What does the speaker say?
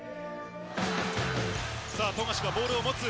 さあ、富樫がボールを持つ。